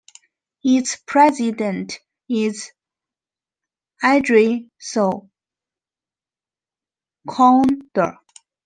Its president is Idrissou Kouanda.